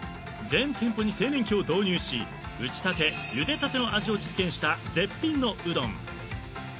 ［全店舗に製麺機を導入し打ちたてゆでたての味を実現した絶品のうどん］